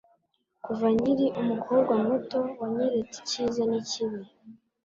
kuva nkiri umukobwa muto, wanyeretse icyiza nikibi